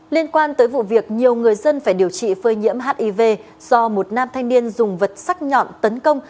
liên quan tới vụ việc nhiều người dân phải điều trị phơi nhiễm hiv do một nam thanh niên dùng vật sắc nhọn tấn công